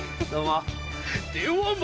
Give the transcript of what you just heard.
どうも！